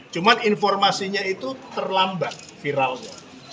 cuma informasinya itu terlambat viralnya